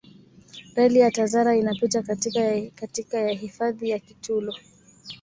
reli ya tazara inapita katika ya hifadhi ya kitulo